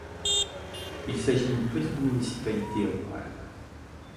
Il s'agit d'une petite municipalité rurale.